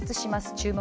「注目！